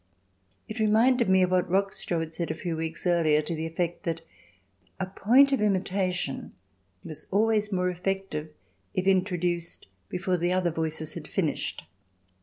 It reminded me of what Rockstro had said a few weeks earlier to the effect that a point of imitation was always more effective if introduced before the other voices had finished.